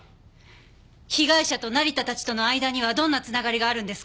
被害者と成田たちとの間にはどんな繋がりがあるんですか？